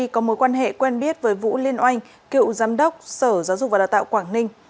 có mối quan hệ quen biết với vũ liên oanh cựu giám đốc sở giáo dục và đào tạo quảng ninh